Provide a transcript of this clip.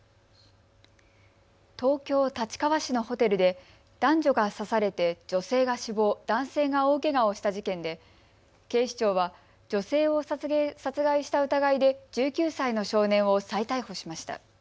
東京立川市のホテルで男女が刺されて女性が死亡、男性が大けがをした事件で警視庁は女性を殺害した疑いで１９歳の少年を再逮捕しました。